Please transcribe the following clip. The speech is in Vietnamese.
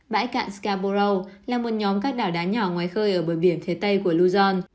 bãi cạn scarborough là một nhóm các đảo đá nhỏ ngoài khơi ở bờ biển thế tây của luzon